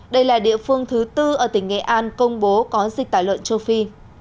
đây là địa phương thứ tư ở tỉnh nghệ an công bố có dịch tả lợn châu phi